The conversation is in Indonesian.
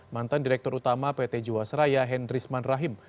mantan direktur utama pt jiwaseraya hendrisman rahim